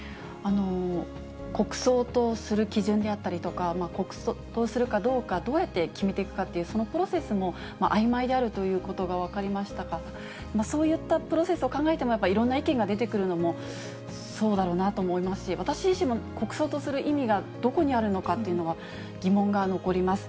国葬とする基準であったりとか、国葬とするかどうか、どうやって決めていくかという、そのプロセスもあいまいであるということが分かりましたが、そういったプロセスを考えても、やっぱりいろんな意見が出てくるのもそうだろうなと思いますし、私自身も国葬とする意味がどこにあるのかっていうのは、疑問が残ります。